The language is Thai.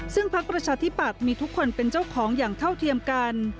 ซึ่งพักประชาธิปัตย์มีทุกคนเป็นเจ้าของอย่างเท่าเทียมกัน